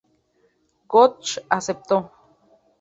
Gotch aceptó.